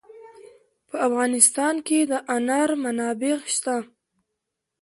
په افغانستان کې د انار منابع شته.